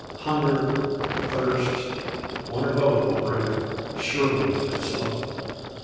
Hunger, thirst, one or both will bring it, surely if slowly.